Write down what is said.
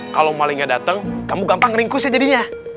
kalau malingnya datang kamu gampang ngeringkus ya jadinya